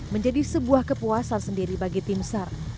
menjadi sebuah kepuasan sendiri bagi tim sar